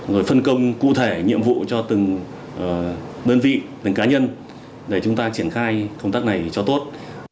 rồi phân công cụ thể nhiệm vụ cho từng đơn vị từng cá nhân để chúng ta triển khai công tác này cho tốt